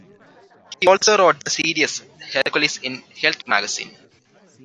He also wrote the series "Hercules" in "Health Magazine".